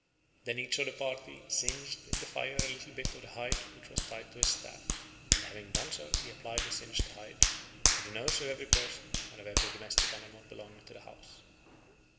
Then each of the party singed in the fire a little bit of the hide which was tied to his staff; and having done so he applied the singed hide to the nose of every person and of every domestic animal belonging to the house.